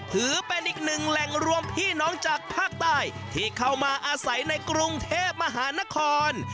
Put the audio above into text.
ถือเป็นอีกหนึ่งแหล่งรวมพี่น้องจากภาคใต้ที่เข้ามาอาศัยในกรุงเทพมหานคร